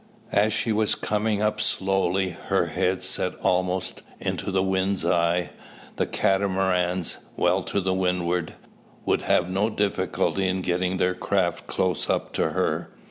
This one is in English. As she was coming up slowly, her head set almost "into the wind's eye," the Catamarans, well to windward, would have no difficulty in getting their craft close up to her.